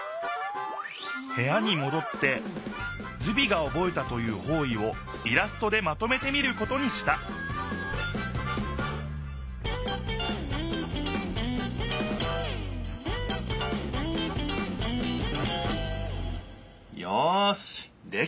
へやにもどってズビがおぼえたという方位をイラストでまとめてみることにしたよしできた！